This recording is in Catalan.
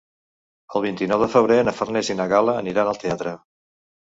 El vint-i-nou de febrer na Farners i na Gal·la aniran al teatre.